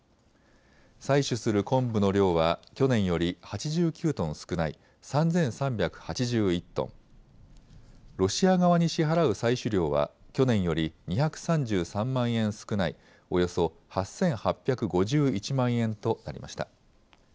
採取するコンブの量は去年より８９トン少ない３３８１トン、ロシア側に支払う採取料は去年より２３３万円少ないおよそ８８５１万円となりました。